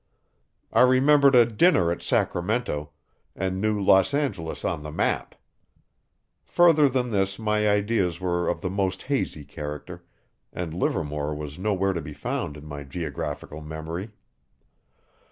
I remembered a dinner at Sacramento, and knew Los Angeles on the map. Further than this my ideas were of the most hazy character, and Livermore was nowhere to be found in my geographical memory.